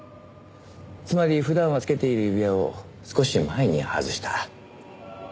つまり普段はつけている指輪を少し前に外した。